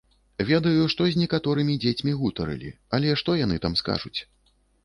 Ведаю, што з некаторымі дзецьмі гутарылі, але што яны там скажуць?